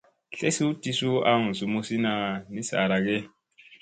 Tlesu ti suu aŋ zumsina ni saara ge ?